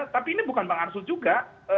tapi ini bukan bang arsul juga